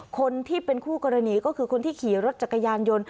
คนที่เป็นคู่กรณีก็คือคนที่ขี่รถจักรยานยนต์